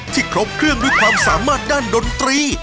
ครบเครื่องด้วยความสามารถด้านดนตรี